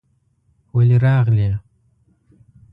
ولې راغلې؟